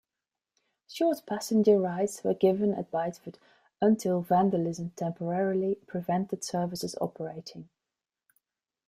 Short passenger rides were given at Bideford until vandalism temporarily prevented services operating.